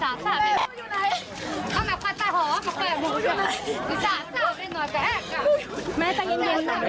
สวัสดีครับ